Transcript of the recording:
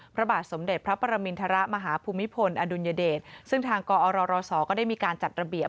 พระบาทสมเด็จพระปรมินทรมาฮภูมิพลอดุลยเดชซึ่งทางกอรศก็ได้มีการจัดระเบียบ